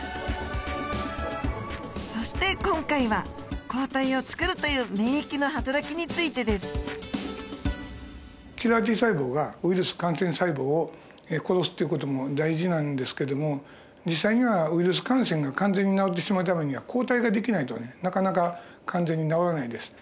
そして今回は「抗体をつくる」という免疫のはたらきについてです。キラーＴ細胞がウイルス感染細胞を殺すっていう事も大事なんですけども実際にはウイルス感染が完全に治ってしまうためには抗体ができないとねなかなか完全に治らないです。